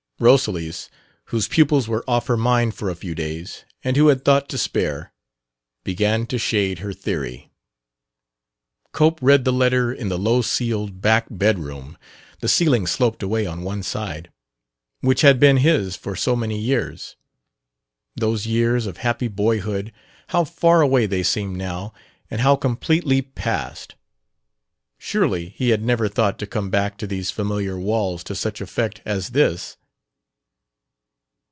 Rosalys, whose pupils were off her mind for a few days and who had thought to spare, began to shade her theory. Cope read the letter in the low ceiled back bedroom (the ceiling sloped away on one side) which had been his for so many years. Those years of happy boyhood how far away they seemed now, and how completely past! Surely he had never thought to come back to these familiar walls to such effect as this....